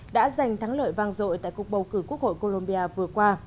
đã giành thắng lợi vang dội tại cuộc bầu cử quốc hội colombia vừa qua